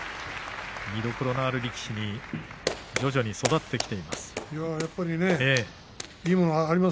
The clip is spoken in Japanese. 見どころのある力士に徐々に育ってきています。